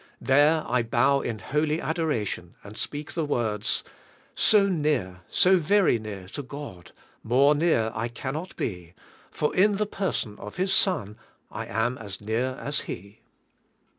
There I bow in holy adoration and speak the words. So near, so very near to God, More near I cannot be, For in the person of His Son I am as near as He.